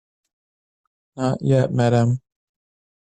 Not yet, madam.